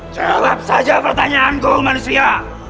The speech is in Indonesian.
jawab saja pertanyaan gue manusia